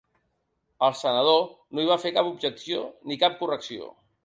El senador no hi va fer cap objecció ni cap correcció.